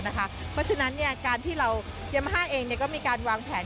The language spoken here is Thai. เพราะฉะนั้นการที่เราเยมาฮ่าเองก็มีการวางแผน